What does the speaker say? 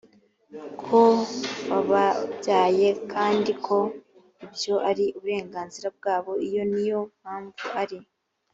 ko bababyaye kandi ko ibyo ari uburenganzira bwabo iyo ni yo mpamvu ari